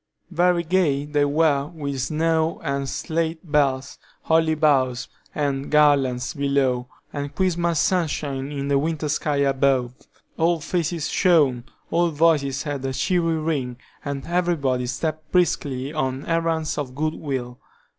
Very gay they were with snow and sleigh bells, holly boughs, and garlands, below, and Christmas sunshine in the winter sky above. All faces shone, all voices had a cheery ring, and everybody stepped briskly on errands of good will.